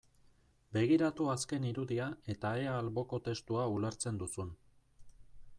Begiratu azken irudia eta ea alboko testua ulertzen duzun.